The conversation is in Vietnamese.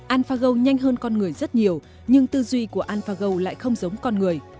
alfago nhanh hơn con người rất nhiều nhưng tư duy của alphago lại không giống con người